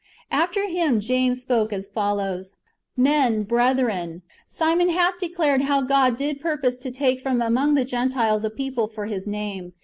^ After him James spoke as follows : "Men, brethren, Simon hath declared how God ■did purpose to take from among the Gentiles a people for His name.